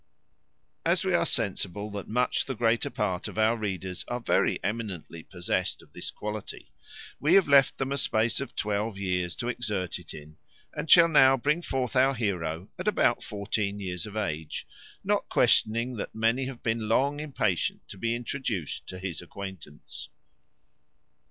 As we are sensible that much the greatest part of our readers are very eminently possessed of this quality, we have left them a space of twelve years to exert it in; and shall now bring forth our heroe, at about fourteen years of age, not questioning that many have been long impatient to be introduced to his acquaintance.